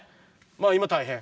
まあ今大変。